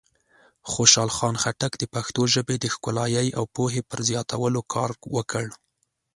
خوشحال خان خټک د پښتو ژبې د ښکلایۍ او پوهې پر زیاتولو کار وکړ.